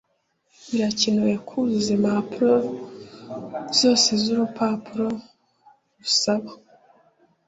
birakenewe kuzuza impapuro zose zurupapuro rusaba